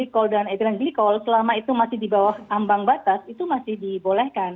glycol dan ethylene glycol selama itu masih di bawah ambang batas itu masih dibolehkan